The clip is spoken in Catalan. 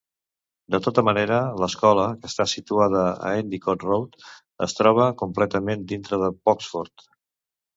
De tota manera, l'escola, que està situada a Endicott Road, es troba completament dintre de Boxford.